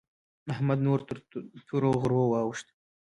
احمد نور تر تورو غرو واوښت.